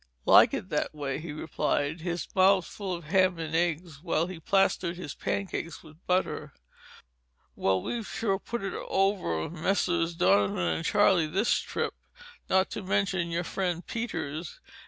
"Like it that way," he replied, his mouth full of ham and eggs, while he plastered his pancakes with butter. "Well, we've sure put it over on Messrs. Donovan and Charlie this trip, not to mention your friend Peters.